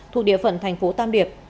thu địa phận thành phố tam điệp